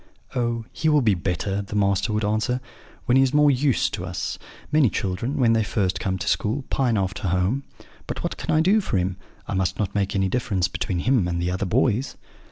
'Oh, he will be better,' the master would answer, 'when he is more used to us. Many children, when they first come to school, pine after home; but what can I do for him? I must not make any difference between him and the other boys.'